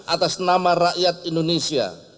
atas nama rakyat indonesia